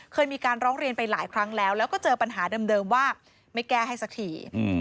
เคยมีการร้องเรียนไปหลายครั้งแล้วแล้วก็เจอปัญหาเดิมว่าไม่แก้ให้สักที